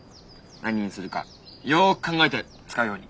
何にするかよく考えて使うように。